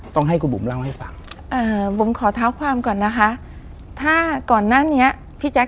ต้องให้คุณบุ๋มเล่าให้ฟัง